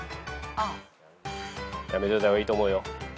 やめといた方がいいと思うよ。